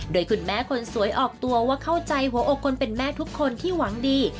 โดยคุณแม่คนสวยออกตัวว่าเข้าใจหัวอกคนเป็นแม่ทุกคนที่หวังดี